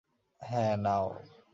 হ্যাঁ, নাও।